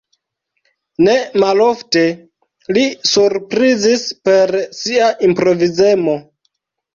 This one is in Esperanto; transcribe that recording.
Ne malofte li surprizis per sia improvizemo.